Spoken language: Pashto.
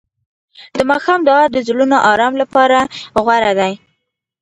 د ماښام دعا د زړونو آرام لپاره غوره ده.